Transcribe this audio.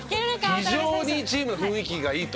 非常にチームの雰囲気がいいと。